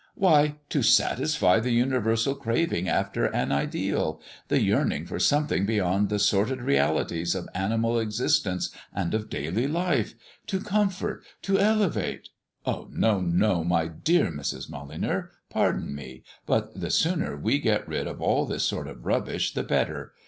"Why, to satisfy the universal craving after an ideal; the yearning for something beyond the sordid realities of animal existence and of daily life; to comfort, to elevate " "No, no, my dear Mrs. Molyneux; pardon me, but the sooner we get rid of all this sort of rubbish the better.